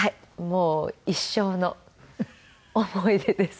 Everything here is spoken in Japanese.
もう一生の思い出です。